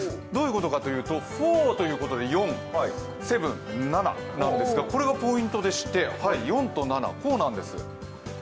どういうことかというと、ふぉということで４、セブン、７、これがポイントでして、こうなんです。